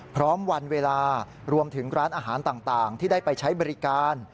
วันเวลารวมถึงร้านอาหารต่างที่ได้ไปใช้บริการ